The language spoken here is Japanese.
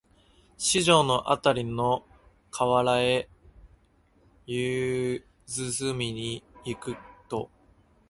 四条あたりの河原へ夕涼みに行くと、